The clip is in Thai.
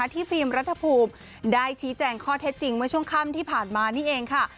ฟิล์มรัฐภูมิได้ชี้แจงข้อเท็จจริงเมื่อช่วงค่ำที่ผ่านมานี่เองค่ะ